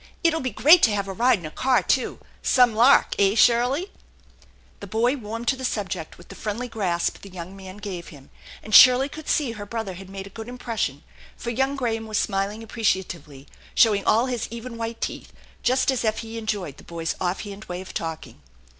It'll be great to have a ride in a car, too. Some lark, eh, Shirley ?" The boy warmed to the subject with the friendly grasp the young man gave him, and Shirley could see her brother had made a good impression ; for young Graham was smiling ap THE ENCHANTED BARN 61 preciatively, showing all his even white teeth just as if he enjoyed the boy's offhand way of talking.